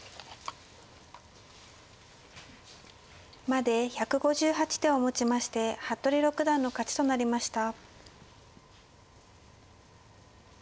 まで１５８手をもちまして服部六段の勝ちとなりました。